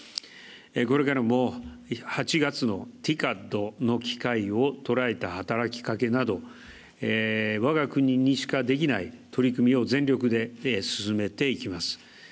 これからも８月のＴＩＣＡＤの機会を捉えた働きかけなどわが国にしかできない取り組みを全力で進めていきます。